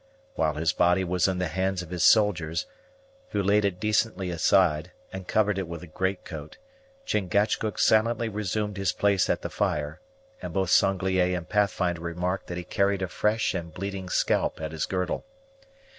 While his body was in the hands of his soldiers, who laid it decently aside, and covered it with a greatcoat, Chingachgook silently resumed his place at the fire, and both Sanglier and Pathfinder remarked that he carried a fresh and bleeding scalp at his girdle.